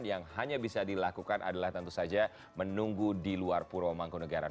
yang hanya bisa dilakukan adalah tentu saja menunggu di luar puro mangkunegaran